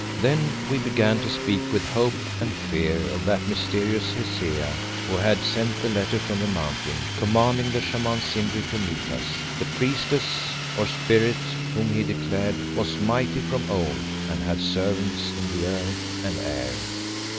Then we began to speak with hope and fear of that mysterious Hesea who had sent the letter from the Mountain, commanding the Shaman Simbri to meet us: the priestess or spirit whom he declared was "mighty from of old" and had "servants in the earth and air."